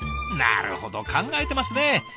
なるほど考えてますね。